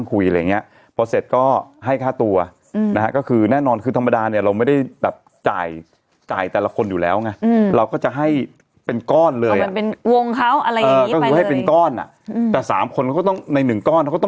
เขาบอกว่าเขาเห็นตัวเลขน่ะคือ๙แล้วก็๕